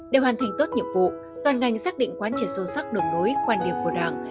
để hoàn thành tốt nhiệm vụ toàn ngành xác định quan triệt sâu sắc đồng đối quan điểm của đảng